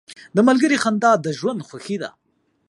• د ملګري خندا د ژوند خوښي ده.